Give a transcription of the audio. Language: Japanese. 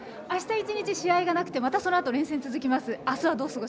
あした１日、試合がなくてまたそのあと連戦が続きます。